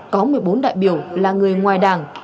có một mươi bốn đại biểu là người ngoài đảng